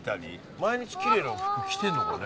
毎日きれいな服着てるのかね？